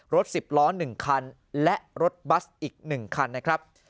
รถ๑๐ล้อ๑คันและรถบัสอีก๑คันนะครับ